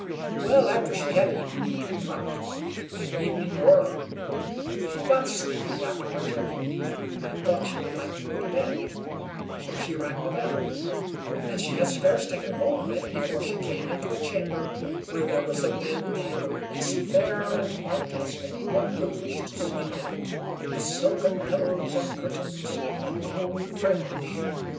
Well, after she had eaten and drunk, and evening wore on, she got sleepy after her journey, and thought she would like to go to bed, so she rang the bell; and she had scarce taken hold of it before she came into a chamber where there was a bed made, as fair and white as any one would wish to sleep in, with silken pillows and curtains and gold fringe.